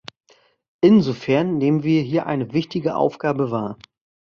Insofern nehmen wir hier eine wichtige Aufgabe wahr.